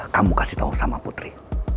kamu kasih tahu sama putri